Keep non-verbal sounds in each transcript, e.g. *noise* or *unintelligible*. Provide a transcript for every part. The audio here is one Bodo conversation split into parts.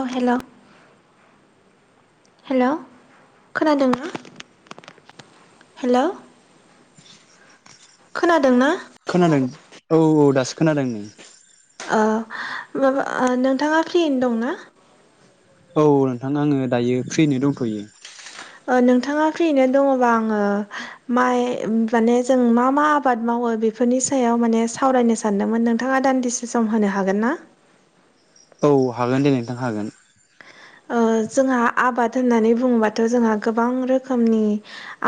औ हेल'। हेल' खोनादोंना? हेलौ। खोनादों ना? खोनादों। औ औ दासो खोनादों। आह माबा नोंथाङा फ्रिनो दंना? औ नोंथां आङो दायो फ्रिनो दंथ'यो। ओ नोंथाङा फ्रियैनो दङबा आङो माइ माने जों मा मा आबाद मावो बेफोरनि सायाव माने सावरायनो सानदोंमोन नोंथाङा दान्दिसे सम होनो हागोन ना? औ हागोन दे नोंथां हागोन। ओ जोंहा आबाद होननानै बुङोबाथ' जोंहा गोबां रोखोमनि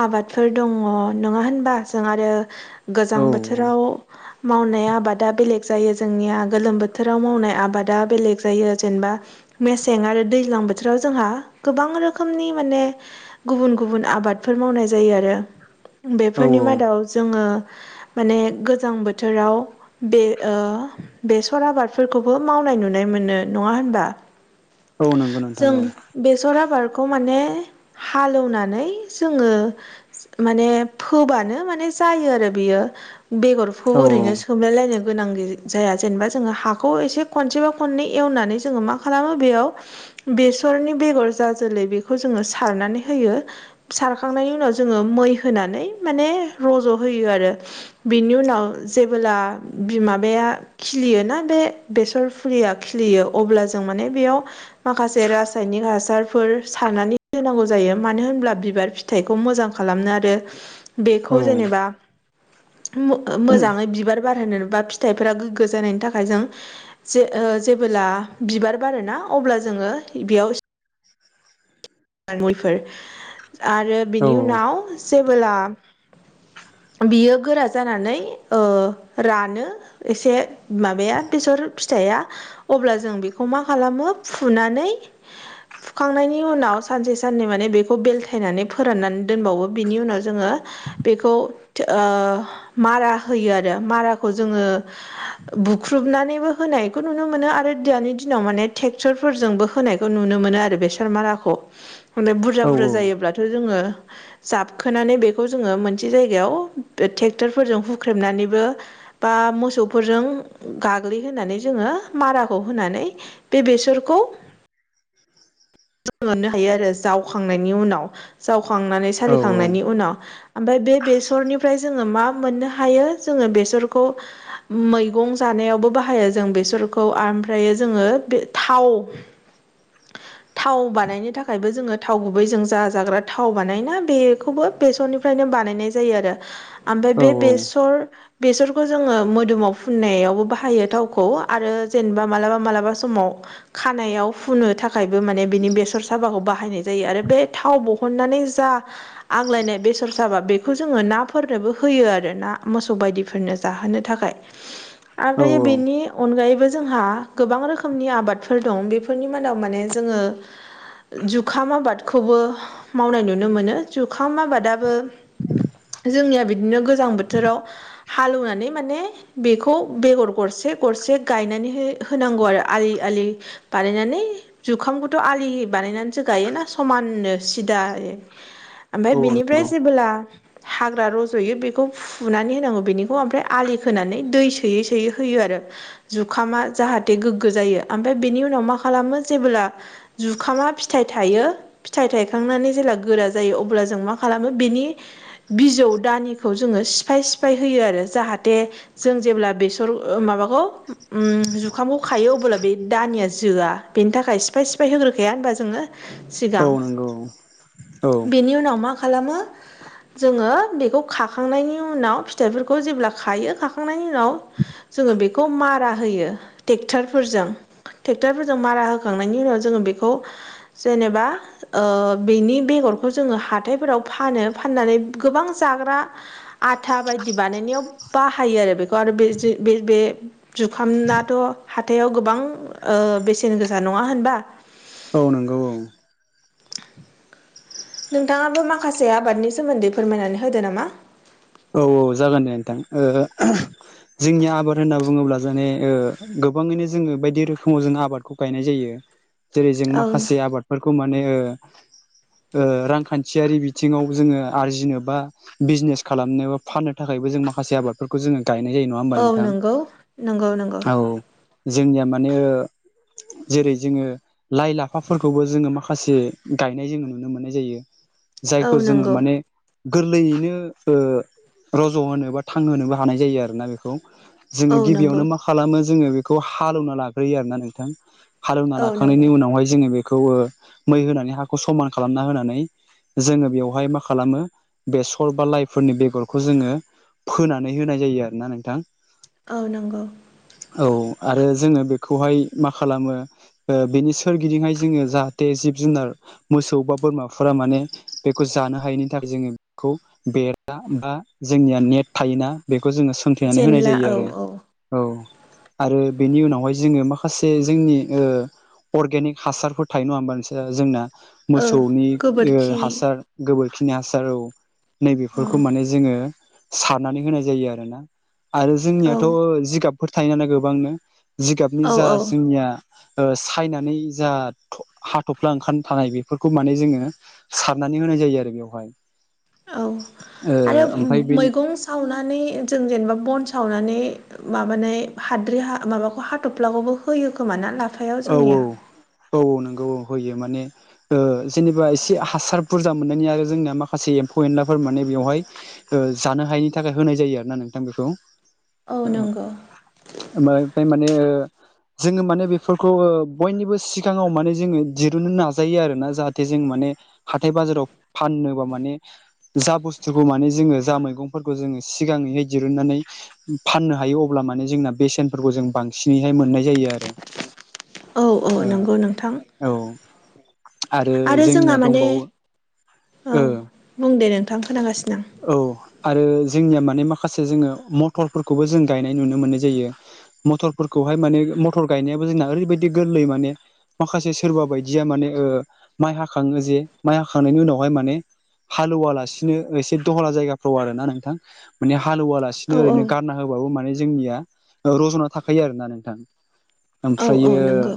आबादफोर दङ नङा होनबा जों आरो गोजां औ बोथोराव मावनाय आबादा बेलेग जायो जोंनिया गोलोम बोथोराव मावनाय आबाद बेलेग जायो जेनेबा मेसें आरो दै दैज्लां बोथोराव जोंहा गोबां रोखोमनि माने गुबुन गुबुन आबादफोर मावनाय जायो आरो औ बेफोरनि मादाव जोंङो माने गोजां बोथोराव बे ओ बेसर आबादफोरखौबो मावनाय नुनाय नङा होनबा? औ नंगौ नोंथां जों औ। बेसर आबादखौ माने हालेवनानै जोङो। माने फोबानो माने जायो आरो बियो। बेगरखौ औ ओरैनो सोमलायलायनो गोनां गै जाया जेनेबा जोङो हाखौ एसे खनसेबा खननै एवनानै जोङो मा खालामो बेयाव बेसरनि बेगर जाजोलै बेखौ जोङो सारनानै होयो सारखांनायनि उनाव जोङो मै होनानै माने रज' होयो आरो बिनि उनाव जेबोला बिमाबाया खिलियोना बे बेसर फुलिया खिलियो अब्ला जों माने बेयाव माखासे रासायनिक हासारफोर सारनानै होनांगौ जायो मानो होनब्ला बिबार फि फिथाइखौ मोजां खालामनो आरो औ बेखौ जेनेबा म मोजाङै बिबार बारहोनो बा फि फिथाइफोरा गोग्गो जानायनि थाखाय जों जे--जेबोला बिबार बारोना अब्ला जोङो बेयाव मैफोर आरो औ बिनि उनाव जेबोला बियो गोरा जानानै ओ रानो एसे माबाया बेसर फिथाइया अब्ला जों बेखौ मा खालामो फुनानै फुखांनायनि उनाव सानसे साननै माने बेखौ बेलथायनानै फोराननानै दोनबावो बिनि उनाव जोङो बेखौ ओ मारा होयो आरो माराखौ जोङो बुख्रुबनानैबो होनायखौ नुनो मोनो आरो दानि दिनाव माने ट्रेक्टर फोरजोंबो होनायखौ नुनो मोनो आरो बेसर माराखौ। माने बुरजा औ बुरजा जायोब्लाथ' जोङो जाबखोनानै बेखौ जोङो मोनसे जायगायाव ट्रेक्टरफोरजों हुख्रेमनानैबो बा मोसौफोरजों गाग्लिहोनानै जोङो माराखौ होनानै बे बेसरखौ जों मोननो हायो आरो जावखांनायनि उनाव जावखांनानै सालिखांनायनि उनाव ओमफ्राय बे बेसरनिफ्राय जोङो मा मोननो हायो जोङो बेसरखौ मैगं जानायावबो बाहायो जों बेसरखौ ओमफ्रायो जोङो बे थाव थाव बानायनो थाखायबो जोङो थाव गुबैजों जा जाग्रा थाव बानायोना बेखौबो बेसरनि फ्रायनो बानायनाय जायो आरो ओमफ्राय बे बेसर बेसरखौ जोङो मोदोमाव फुननायावबो बाहायो थावखौ आरो जेनेबा मालाबा मालाबा समाव खानायाव फुनो थाखाय माने बिनि बेसर साबाखौ बाहायनाय जायो आरो बे थाव दिहननानै जा आग्लायनाय बेसर साबा बेखौ जोङो नाफोरनोबो होयो आरो ना मोसौ बायदिफोरनो जाहोनो थाखाय। *inaudible* औ आगै बेनि अनगायैबो जोंहा गोबां रोखोमनि आबादफोर दं बेफोरनि मादाव माने जोङो जुखाम आबादखौबो मावनाय नुनो मोनो जुखाम आबादाबो जोंनिया बिदिनो गोजां बोथोराव हालौनानै माने बेखौ बेगर गरसे गरसे हो-होनांगौ आरो आलि आलि बानायनानै जुखामखौथ' आलि बानायनानैसो गायोना समाननो सिदायै औ ओमफ्राय नंगौ जेबोला हाग्रा रज'यो बेखौ फुनानै होनांगौ बेनिखौ ओमफ्राय आलि खोनानै दै सोयै सोयै होयो आरो। जुखामा जाहाथे गोग्गो जायो ओमफ्राय उनाव खालामो जेबोला जुखामा फिथाइ थायो फिथाइ थायखांनानै जेला गोरा जायो अब्ला जों मा खालामो बेनि बिजौ दानिखौ जोङो सिफाय सिफाय होयो आरो जाहाथे जों जेब्ला बेसर ओ माबाखौ उम जुखामखौ खायो अब्ला बे दानिया जोआ बेनि थाखाय सिफाय सिफाय होग्रोखाया होनबा जोङो सिगां औ। औ बेनि उनाव मा खालामो जोङो बेखौ खाखांनायनि उनाव फिथाइफोरखौ जेब्ला खायो खाखांनायनि उनाव जोङो बेखौ मारा होयो टेक्ट'रफोरजों टेक्ट'रफोरजों मारा होखांनायनि उनाव जोङो बेखौ जेनेबा ओ बेनि बेगरखौ जोङो हाथायफोराव फानो फाननानै गोबां जाग्रा आथा बायदि बानायनायाव बाहायो आरो बेखौ आरो बे जे बे बे जुखामनाथ' हाथायाव गोबां ओ बेसेन गोसा नङा होनबा औ नंगौ औ। नोंथाङाबो माखासे आबादनि सोमोन्दै फोरमायनानै होदो नामा? औ औ जागोन दे नोंथां ओ *unintelligible* जोंनि आबाद होनना बुङोब्ला जाने ओ गोबाङैनो जोङो बायदि रोखोमाव जों आबादखौ गायनाय जायो। जेरै जों औ माखासे आबादफोरखौ माने ओ ओ रांखान्थियारि बिथिङाव जोङो आरजिनो बा बिजनेस खालामनो बा फाननो थाखायबो जों माखासे आबादफोरखौ जोङो गायनाय जायो। नङा होमबा औ नोंथां नंगौ नंगौ नंगौ औ जोंनिया माने ओ जेरै जोङो लाइ लाफाफोरखौबो जोङो माखासे गायनाय जोङो नुनो मोननाय जायो। औ जायखौ जोङो नंगौ माने गोरलैयैनो ओ रज' होनो बा थांहोनोबो हानाय जायो आरोना बेखौ औ जोङो नंगौ गिबियावनो माखा खालामो जोङो बेखौ हालौना लाग्रोयो आरोना नोंथां हालौना औ नंगौ लाखांनायनि उनावहाय जोङो बे खौ ओ मै होनानै हाखौ समान खालामना होनानै जोङो बेवहाय मा खालामो बेसर बा लाय फोरनि बेगरखौ जोङो फोनानै होनाय जायो आरोना नोंथां। औ नंगौ। औ आरो जोङो बेखौहाय मा खालामो ओ बेनि सोरगिदिंयै जोङो जाहाथे जिब जुनार मोसौ बा बोरमाफोरा माने बेखौ जानो हायैनि थाखाय जोङो बेखौ बे बा जोंनिया नेट थायोना बेखौ जोङो सोंथेनानै होनाय जेनला जायो औ आरो। औ औ आरो बेनि उनावहाय जोङो माखासे जोंनि ओ अर्गेनिक हासारफोर थायो नङा होमबा जोंना ओ मोसौनि ओ गोबोरखि हासार गोबोरखिनि हासार औ औ नैबेफोरखौ माने जोङो सारनानै होनाय जायो आरो ना। आरो जोंनियाथ' औ जिगाबफोर थायो नालाय गोबांनो जिगाबनि जा औ जोंनिया ओ सायनानै जा थ' हाथ'फ्ला ओंखार थानाय बेफोरखौ माने जोङो सारनानै होनाय जायो आरो बेवहाय। औ ओ आरो ओमफ्राय बेनि मैगं सावनानै जों जेनेबा बन सावनानै माबानाय हाद्रि हा माबाखौ हाथ'फ्लाखौबो होयो खोमा ना लाफायाव औ औ जोंनिया? औ नोंगौ होयो माने ओ जेनेबा इसे हासार बुरजा मोननायनि आरो जोंनिया माखासे एम्फौ एनलाफोर माने बेवहाय ओ जानो हायिनि थाखाय होनाय जायो आरो ना नोंथां बेखौ। औ नंगौ। *inaudible* माने जोङो माने बेफोरखौ ओ बयनिबो सिगाङाव माने जोङो दिरुननो नाजायो आरोना जाहाथे जों माने हाथाय बाजाराव फाननोबा माने जा बुस्थुखौ माने जोङो जा मैगंफोरखौ जोङो सिगाङैहाय दिरुननानै फाननो हायो अब्ला माने जोंना बेसेनफोरखौ जों बांसिनैहाय मोननाय जायो आरो। औ औ नंगौ नोंथां। औ आरो जोंनिया दंबावो। ओ ओं बुं दे नोंथां खोनागासिनो। औ आरो जोंनिया माने माखासे जोङो मटरफोरखौबो जों गायनाय नुनो मोननाय जायो। मथरफोरखौहाय माने मथर गायनायाबो जोंना ओरैबायदि गोर्लै माने माखासे सोरबा बायदिया माने ओ माइ हाखाङो जे माइ हाखांनायनि उनावहाय माने हालौवालासिनो एसे दहला जायगाफ्राव आरोना नोंथां माने हालौवालासिनो आं औ ओरैनो गारना होबाबो माने जोंनिया रज'ना थाखायो आरोना नोंथां औ औ ओमफ्रायो नंगौ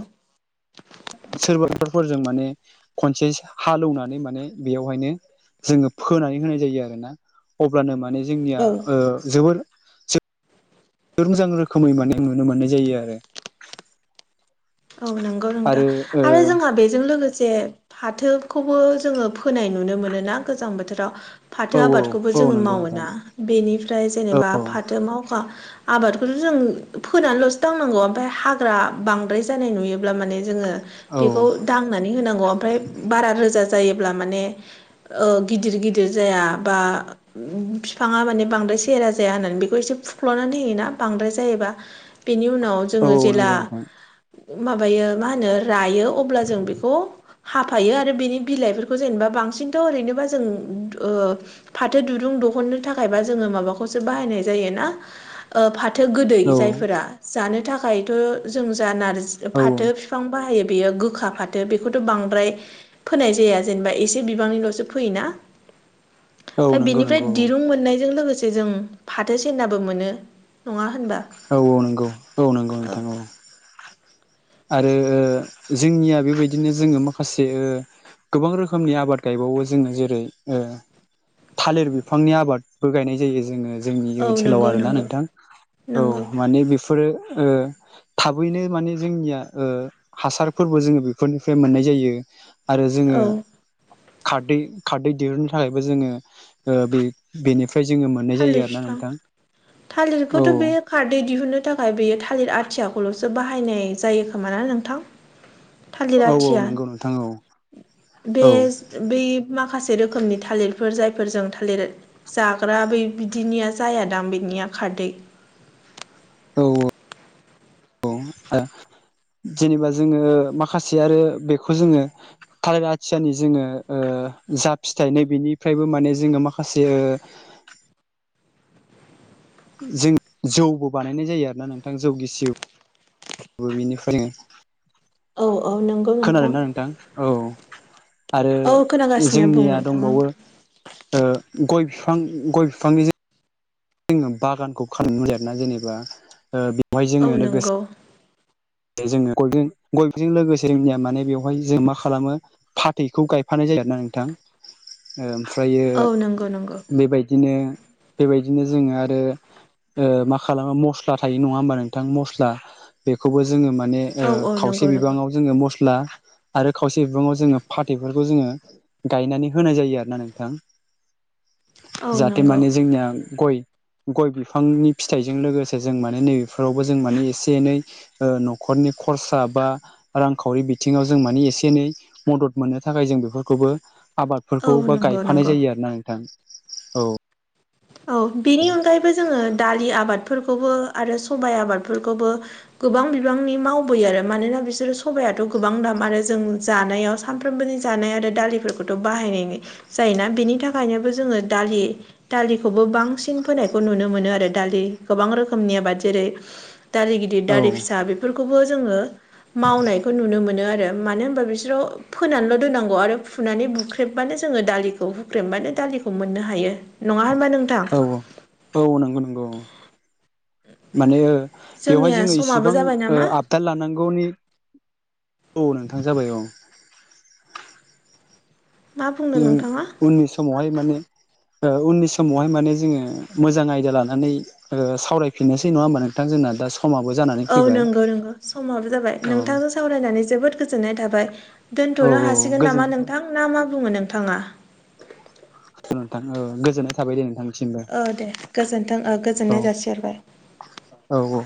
सोरबा ट्रेकटरफोरजों माने खनसे हालौवनानै माने बेयावहायनो जोङो फोनानै होनाय जायो आरोना अब्लानो माने जोंनिया औ ओ जोबोर मोजां रोखोमै माने नुनो मोननाय जायो आरो। औ नंगौ नोंथां आरो आरो जोंहा बेजों लोगोसे फाथोखौबो जोङो फोनाय नुनो मोनोना गोजां बोथोराव। फाथो ओ औ आबादखौबो औ औ जोङो नंगौ नोंथां मावोना बेनिफ्राय जेनेबा औ फाथो मावखा आबादखौथ' जों फोनानैल'सो दानांगौ ओमफ्राय हाग्रा बांद्राय जानाय नुयोब्ला माने जोङो औ बेखौ दांनानै होनांगौ ओमफ्राय बारा रोजा जायोब्ला माने ओ गिदिर गिदिर जाया बा फिफाङा माने बांद्राय सेहेरा जाया होननानै बेखौ एसे फुख्ल'नानै होयोना बांद्राय जायोबा। बेनि उनाव औ जोङो औ जेला नंगौ नोंथां माबायो मा होनो रायो अब्ला जों बेखौ हाफायो आरो बेनि बिलाइफोरखौ जेनेबा बांसिनथ' ओरैनोबा जों ओ फाथो दुरुं दहुननो थाखायबा जोङो माबाखौसो बाहायनाय जायो ना ओ फाथो गोदै औ जायफोरा जानो थाखायथ' जों जा नारजि फाथो औ फिफां बाहायो बेयो गोखा फाथो बेखौथ' बांद्राय फोनाय जाया जेनेबा एसे बिबांनिल'सो फैयोना। औ फ्राय नंगौ बेनिफ्राय नंगौ दिरुं औ मोननायजों लोगोसे जों फाथो सिनाबो मोनो। नङा होनबा औ औ नंगौ औ नंगौ नोंथां औ। आरो जोंनिया बेबायदिनो जोङो माखासे ओ गोबां रोखोमनि आबाद गायबावो जोंना जोङो जेरै थालिर बिफांनि आबादबो गायनाय जायो जोङो जोंनि औ ओनसोलाव नंगौ आरोना नंगौ नोंथां औ नंगौ माने बेफोरो ओ थाबैनो माने जोंनिया ओ हासारफोरबो जोङो बेफोरनिफ्राय मोननाय जायो। आरो जोङो औ खारदै- खारदै दिरुननो थाखायबो जोङो ओ बि बिनिफ्राय जोङो मोननाय थालिर जायो आरोना बिफां नोंथां थालिरखौथ' औ। बे खारदै दिहुननो थाखाय बेयो थालिर आथियाखौल'सो बाहायनाय जायोखोमा ना नोंथां? थालिर औ औ आथिया नंगौ नोंथां औ बे औ बै माखासे रोखोमनि थालिरफोर जायफोरजों थालिर जाग्रा बै बिदिनिया जायादां बेनिया खारदै औ *inaudible* औ *unintelligible* जेनेबा जोङो माखासे आरो बेखौ जोङो थालिर आथियानि जोङो ओ जा फिथाइ नै बिनिफ्रायबो माने जोङो माखासे ओ जों जौबो बानायनाय जायो आरोना नोंथां जौ गिसि *unintelligible* औ औ नोंगौ खोनादोना नोंथां औ आरो औ खोनागासिनो बुं जोंनिया नोंथां आं दंबावो ओ गइ फिफां गय फिफांनि जो जोङो बागानखौ खालामनो *unintelligible* जेनेबा ओ बेवहाय औ जोङो लोगोसे नंगौ दायो जोङो गइजों गइजों लोगोसे जोंनिया माने बेवहाय जों मा खालामो फाथैखौ गाइफानाय जायो आरोना नोंथां ओमफ्रायो औ नंगौ नंगौ बेबायदिनो बेबायदिनो जोङो आरो ओ मा खालामो मस्ला थायो नङा होमबा नोंथां मस्ला बेखौबो जोङो माने ओ औ औ खावसे नंगौ नंगौ बिबाङाव जोङो मस्ला आरो खावसे बिबाङाव जोङो फाथैफोरखौ जोङो गाइनानै होनाय जायो आरोना नोंथां औ जाहाथे नंगौ माने जोंनिया गय- गय बिफांनि फिथाइजों लोगोसे जों माने नैबेफोरावबो जों माने एसे एनै ओ न'खरनि खरसा बा रांखावरि बिथिङाव जों माने एसे एनै मदद मोननो थाखाय जों बेफोरखौबो औ आबादफोरखौ बा नंगौ गाइफानाय नंगौ जायो आरोना नोंथां। औ औ बेनि अनगायैबो जोङो दालि आबादफोरखौबो आरो सबाय आबादफोरखौबो गोबां बिबांनि मावबोयो आरो मानोना बिसोरो सबाथ' गोबां दाम आरो जों जानायाव सानफ्रोमबोनि जानाय आरो दालिफोरखौथ' बाहायनाय जायोना बेनि थाखायनोबो जोङो दालि दालिखौबो बांसिन फोनायखौ नुनो आरो दालि गोबां रोखोमनि आबाद जेरै दालि गिदिर गिदिर औ दालि फिसा बिफोरखौबो जोङो मावनायखौ नुनो मोनो आरो मानो होनबा बि *unintelligible* फोनानैल' दोनांगौ आरो फुनानै बुख्रेब्बानो जोङो दालिखौ हुख्रेमबानो दालिखौ मोननो हायो। नङा होनबा नोंथां? औ औ औ नंगौ नंगौ औ माने ओ बेवहाय जोंनिया जोङो समाबो इसिबां जाबाय ओ नामा आब दा लानांगौनि औ नोंथां जाबाय औ मा बुंदों उम नोंथाङा उननि समावहाय माने ओ उननि समावहाय माने जोङो मोजां आयदा लानानै ओ सावरायफिननोसै नङा होमबा नोंथां जोंना दा समा औ नंगौ नंगौ समाबो जाबाय औ नोंथांजों सावरायनानै जोबोद गोजोननाय थाबाय औ दोनथ'नो औ हासिगोन गोजोन नामा नोंथां ना मा बुङो नोंथाङा? औ नोंथां औ गोजोन्नाय थाबाय दे नोंथां औ दे गोजोन्थों ओ औ गोजोननाय जासिहरबाय औ औ।